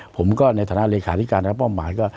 ผมก็ในฐานะเลขาธิการและเป้าหมายก็